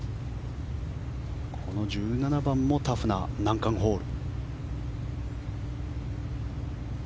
この１７番もタフな難関ホール。